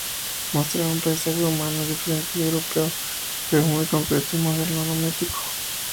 Mostraba un paisaje humano diferente del europeo, pero muy concreto y moderno, no mítico.